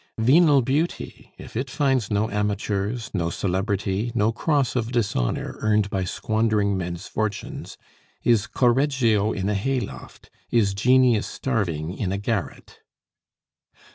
Venal beauty, if it finds no amateurs, no celebrity, no cross of dishonor earned by squandering men's fortunes, is Correggio in a hay loft, is genius starving in a garret.